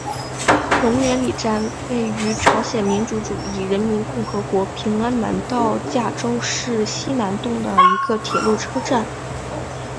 龙源里站是位于朝鲜民主主义人民共和国平安南道价川市西南洞的一个铁路车站。